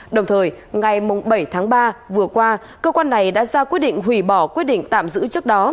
đồng thời ngày bảy tháng ba vừa qua cơ quan này đã ra quyết định hủy bỏ quyết định tạm giữ trước đó